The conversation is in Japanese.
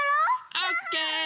オッケー！